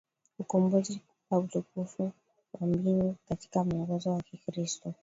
ukombozi kuwa utukufu wa Mbingu katika mwongozo wa Kikristo